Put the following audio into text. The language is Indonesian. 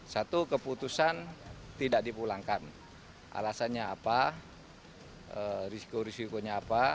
satu keputusan tidak dipulangkan alasannya apa risiko risikonya apa